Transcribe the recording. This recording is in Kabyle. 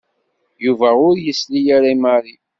Yuba ur yesli ara i Mary.